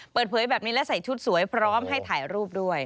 เปิดเผยแบบนี้และใส่ชุดสวยพร้อมให้ถ่ายรูปด้วย